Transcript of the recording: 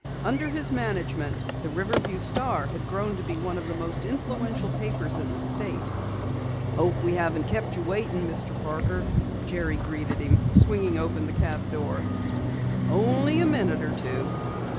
Under his management the Riverview Star had grown to be one of the most influential papers in the state. "Hope we haven't kept you waiting, Mr. Parker," Jerry greeted him, swinging open the cab door. "Only a minute or two.